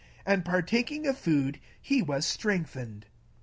19 And taking food, le was strengthened.